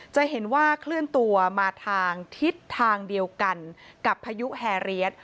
จะเห็นว่าเคลื่อนตัวมาทางทิศทางเดียวกันกับพายุแฮเรียส